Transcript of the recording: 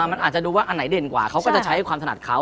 มันอาจจะดูว่าอันไหนเด่นกว่าเขาก็จะใช้ความถนัดเขา